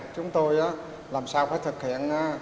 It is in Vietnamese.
chúng tôi làm sao phải thực hiện